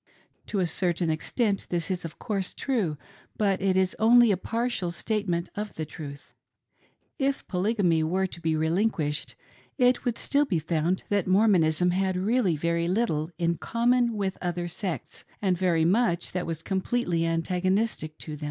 To a certain extent this is, of course, true ; but it is only a partial statement of the truth. If Polygamy were to be relinquished, it would still be found that Mormonism had really very little in common with other sects, and very much that was completely antagonistic to them.